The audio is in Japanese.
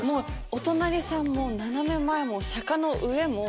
お隣さんも斜め前も坂の上も。